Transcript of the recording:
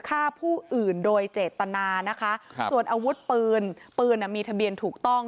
ฆ่าผู้อื่นโดยเจตนานะคะครับส่วนอาวุธปืนปืนอ่ะมีทะเบียนถูกต้อง